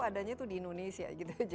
adanya di indonesia